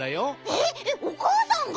えっおかあさんが？